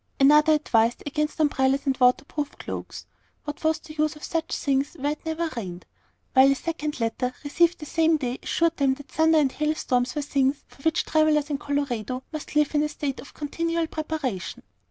Another advised against umbrellas and water proof cloaks, what was the use of such things where it never rained? while a second letter, received the same day, assured them that thunder and hail storms were things for which travellers in Colorado must live in a state of continual preparation.